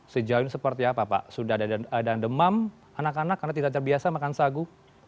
sejauh ini seperti apa pak sudah ada demam anak anak karena tidak terbiasa makan sagu